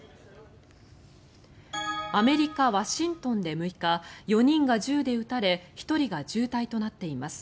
アメリカ・ワシントンで６日４人が銃で撃たれ１人が重体となっています。